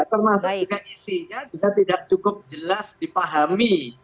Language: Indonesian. termasuk juga isinya juga tidak cukup jelas dipahami